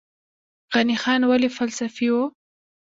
غني خان ولې فلسفي و؟